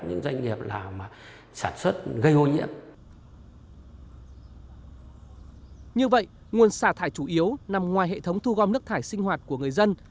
như vậy nguồn xả thải chủ yếu nằm ngoài hệ thống thu gom nước thải sinh hoạt của người dân